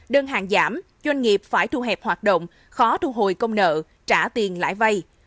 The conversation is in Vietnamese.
đơn hàng giảm doanh nghiệp phải thu hẹp hoạt động khó thu hồi công nợ trả tiền lãi vay